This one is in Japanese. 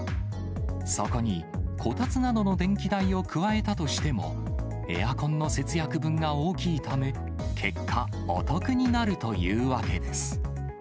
そこに、こたつなどの電気代を加えたとしても、エアコンの節約分が大きいため、結果、お得になるというわけです。